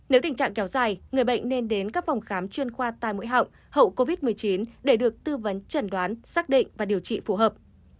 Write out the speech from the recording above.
nếu tình trạng kéo dài người bệnh nên đến các phòng khám chuyên khoa tai mũi họng hậu covid một mươi chín để được tư vấn trần đoán xác định và điều trị phù hợp